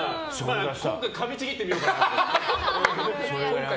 今回かみちぎってみようかなとか。